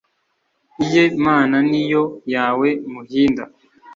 Iye Mana ni Yo yawe Muhinda